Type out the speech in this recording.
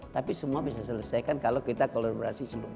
tapi semua bisa diselesaikan kalau kita kolaborasi sebelumnya